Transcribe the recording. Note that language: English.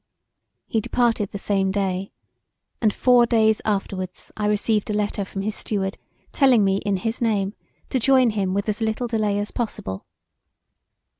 He departed the same day, and four days afterwards I received a letter from his steward telling me in his name to join him with as little delay as possible.